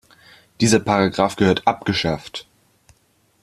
Dieser Paragraph gehört abgeschafft!